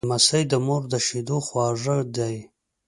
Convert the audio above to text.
لمسی د مور د شیدو خواږه دی.